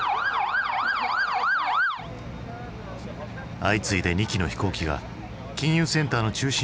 相次いで２機の飛行機が金融センターの中心を破壊。